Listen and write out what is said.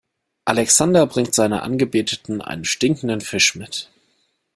Alexander bringt seiner Angebeteten einen stinkenden Fisch mit.